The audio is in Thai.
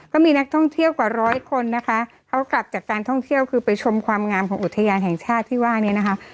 ก็มีนักท่องเที่ยวกว่าร้อยคนนะคะเขากลับจากการท่องเที่ยวคือไปชมความงามของอุทยานแห่งชาติที่ว่านี้นะคะ